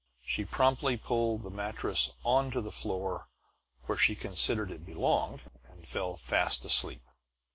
She promptly pulled the mattress onto the floor, where she considered it belonged, and fell fast asleep.